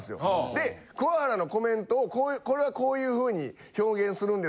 で桑原のコメントを「これはこういう風に表現するんですよ。